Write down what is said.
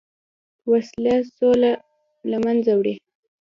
وسله سوله له منځه وړي